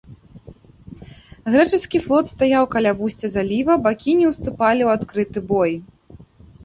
Грэчаскі флот стаяў каля вусця заліва, бакі не ўступалі ў адкрыты бой.